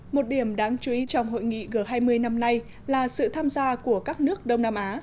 một điểm đáng chú ý trong hội nghị g hai mươi năm nay là sự tham gia của các nước đông nam á